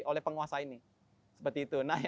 oleh penguasa ini seperti itu nah